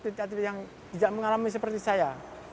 mudah mudahan aktivitas yang tidak mengalami seperti saya